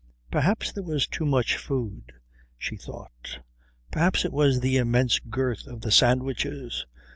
Perhaps there was too much food, she thought; perhaps it was the immense girth of the sandwiches.